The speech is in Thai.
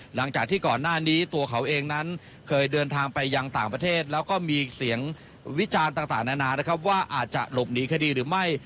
หลังจากที่ก่อนหน้านี้ตัวเขาเองนั้นเคยเดินทางไปยังต่างประเทศแล้วก็มีเสียงวิจารณ์ต่างนานานะครับว่าอาจจะหลบหนีคดีหรือไม่